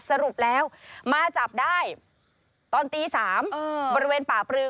สรุปแล้วมาจับได้ตอนตี๓บริเวณป่าปลือ